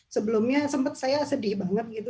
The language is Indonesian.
sebelumnya sempet saya sedih banget